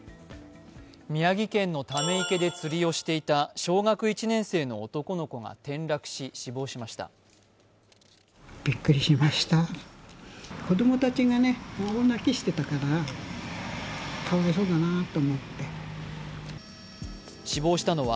宮城県のため池で釣りをしていた小学１年生の男の子が転落し死亡しました。